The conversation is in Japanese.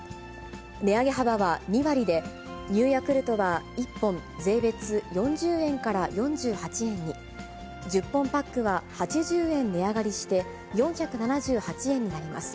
値上げ幅は２割で、Ｎｅｗヤクルトは１本税別４０円から４８円に、１０本パックは８０円値上がりして、４７８円になります。